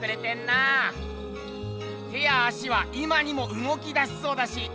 手や足は今にもうごきだしそうだし。